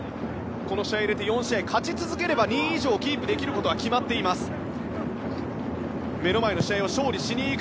この試合を入れて４試合勝ち続ければ２位以上をキープできることは決まっています。